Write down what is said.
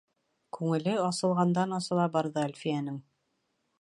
Күңеле асылғандан-асыла барҙы Әлфиәнең.